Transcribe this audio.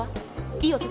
いい男？